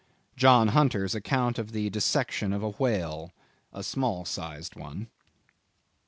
—John Hunter's account of the dissection of a whale. (A small sized one.)